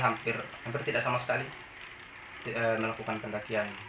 hampir hampir tidak sama sekali melakukan pendakian